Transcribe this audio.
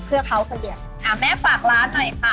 เพื่อเขาเฉลี่ยงอ่าแม่ฝากร้านหน่อยค่ะ